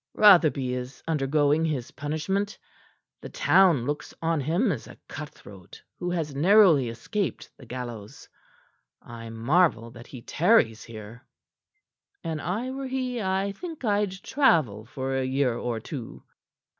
"Rotherby is undergoing his punishment. The town looks on him as a cut throat who has narrowly escaped the gallows. I marvel that he tarries here. An I were he, I think I'd travel for a year or two."